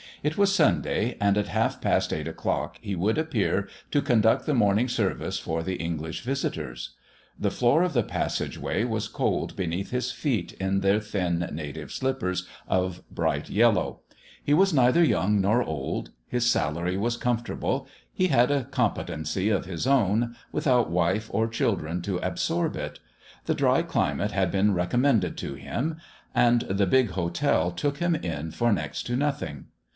It was Sunday, and at half past eight o'clock he would appear to conduct the morning service for the English visitors. The floor of the passage way was cold beneath his feet in their thin native slippers of bright yellow. He was neither young nor old; his salary was comfortable; he had a competency of his own, without wife or children to absorb it; the dry climate had been recommended to him; and the big hotel took him in for next to nothing.